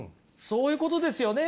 そういうことですよね。